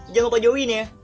jangan lupa join ya